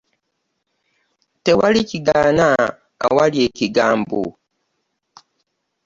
Tewali kigaana awali ekigambo.